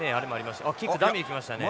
キックダミーできましたね。